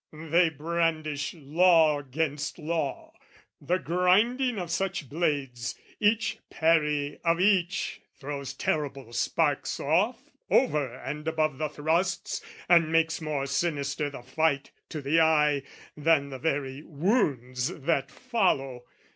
They brandish law 'gainst law; The grinding of such blades, each parry of each, Throws terrible sparks off, over and above the thrusts, And makes more sinister the fight, to the eye, Than the very wounds that follow.